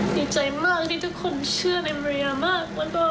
ดีใจมากที่ทุกคนเชื่อในเรียมาก